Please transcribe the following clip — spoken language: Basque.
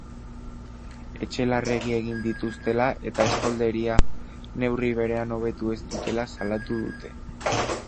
Etxe larregi egin dituztela eta estolderia neurri berean hobetu ez dutela salatu dute.